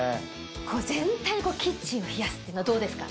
全体にキッチンを冷やすっていうのはどうですか。